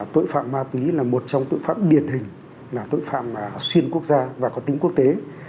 tội phạm ma túy là một trong tội phạm điển hình là tội phạm xuyên quốc gia và có tính quốc tế